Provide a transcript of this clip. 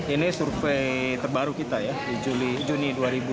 ini survei terbaru kita ya di juni dua ribu dua puluh